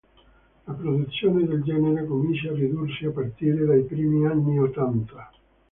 La produzione del genere comincia a ridursi a partire dai primi anni ottanta.